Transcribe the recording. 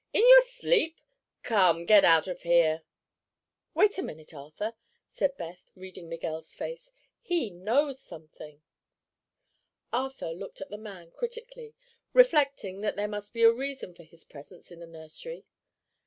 "In your sleep? Come, get out of here." "Wait a minute, Arthur," said Beth, reading Miguel's face. "He knows something." Arthur looked at the man critically, reflecting that there must be a reason for his presence in the nursery.